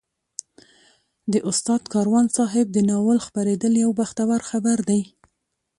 د استاد کاروان صاحب د ناول خپرېدل یو بختور خبر دی.